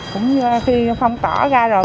cũng khi phong tỏa ra rồi